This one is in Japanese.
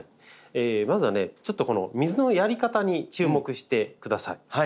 まずはねちょっとこの水のやり方に注目してください。